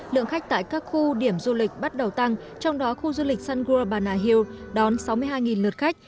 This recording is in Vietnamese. lượng khách tại các khu điểm du lịch bắt đầu tăng trong đó khu du lịch sun grubana hill đón sáu mươi hai lượt khách